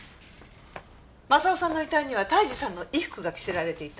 正雄さんの遺体には泰治さんの衣服が着せられていた。